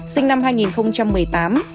sinh năm hai nghìn một mươi tám